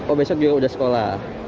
oh besok juga udah sekolah